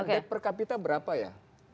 debt per kapita berapa ya